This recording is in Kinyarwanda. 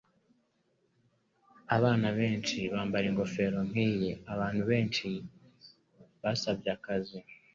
Abana benshi bambara ingofero nkiyi. Abantu benshi basabye akazi.